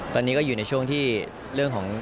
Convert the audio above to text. ตอนนี้ก็อยู่ในช่วงที่เรื่องของ